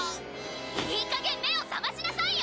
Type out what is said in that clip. いいかげん目を覚ましなさいよ！